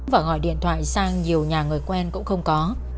và gọi điện thoại sang nhiều nhà người quen cũng không có